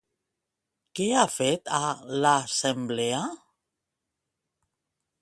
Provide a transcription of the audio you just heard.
Què ha fet a l'assemblea?